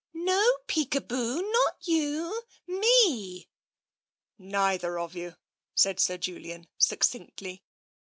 No, Peekaboo! Not you — me! Neither of you," said Sir Julian succinctly.